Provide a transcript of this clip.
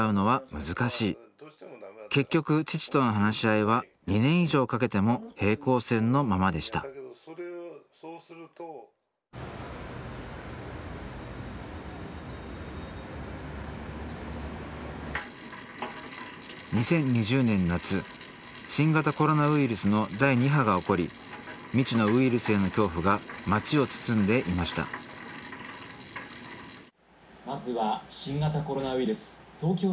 結局父との話し合いは２年以上かけても平行線のままでした２０２０年夏新型コロナウイルスの第２波が起こり未知のウイルスへの恐怖が街を包んでいました「まずは新型コロナウイルス東京都内の感染者数です」。